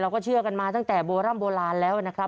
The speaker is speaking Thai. ก็เชื่อกันมาตั้งแต่โบร่ำโบราณแล้วนะครับ